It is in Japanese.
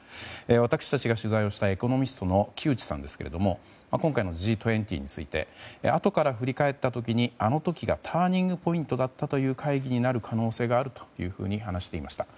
私たちが取材をしたエコノミストの木内さんですけれども今回のＧ２０についてあとから振り返った時にあの時がターニングポイントだったといわれる会議になる可能性があるというふうに話していました。